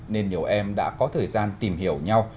nên nhiều em đã có thời gian tìm hiểu nhau